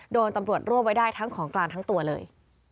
โดนตำรวจรวบไว้ได้ทั้งของกลางทั้งตัวเลย